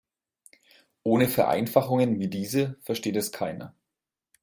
Ohne Vereinfachungen wie diese versteht es keiner.